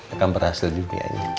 akan berhasil di dunianya